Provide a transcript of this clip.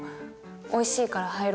「おいしいから入ろう。